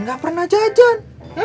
gak pernah jajan